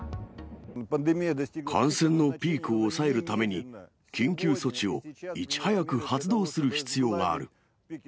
感染のピークを抑えるために、緊急措置をいち早く発動する必要がある。